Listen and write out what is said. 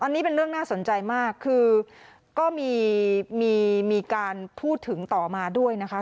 อันนี้เป็นเรื่องน่าสนใจมากคือก็มีการพูดถึงต่อมาด้วยนะคะ